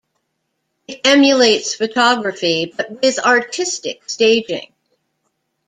It emulates photography, but with artistic staging.